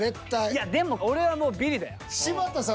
いやでも俺はもうビリだよ。